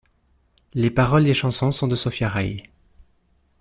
Les paroles des chansons sont de Sofia Rei.